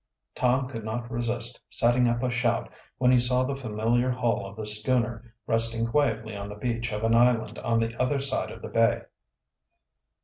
Tom could not resist setting up a shout when he saw the familiar hull of the schooner, resting quietly on the beach of an island on the other side of the bay.